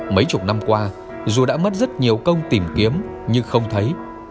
mấy chục năm qua dù đã mất rất nhiều công tìm kiếm nhưng không thấy